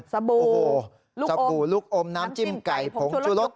สบู่ลูกอมน้ำจิ้มไก่ผงชูรส